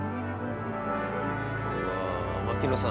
うわ牧野さん